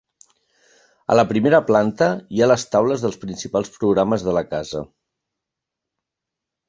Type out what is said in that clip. A la primera planta hi ha les taules dels principals programes de la casa.